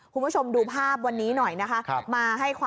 คุณผู้ชมดูภาพวันนี้หน่อยนะคะ